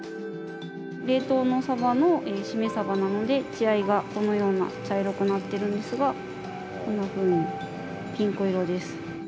冷凍のサバのしめサバなので血合いがこのような茶色くなってるんですがこんなふうにピンク色です。